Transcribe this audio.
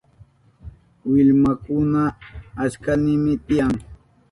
Willmankunaka achkami tiyan.